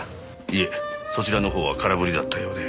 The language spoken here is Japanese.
いえそちらのほうは空振りだったようで。